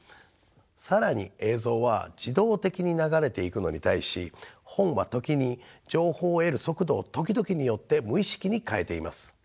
更に映像は自動的に流れていくのに対し本は時に情報を得る速度を時々によって無意識に変えています。